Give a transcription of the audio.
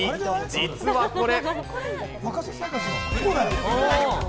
実はこれ。